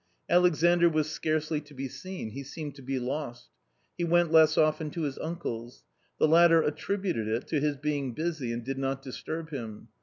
Alexandr was scarcely to be seen, he seemed to be lost. He went less often to his uncle's. The latter attributed it to his being busy, and did not disturb him.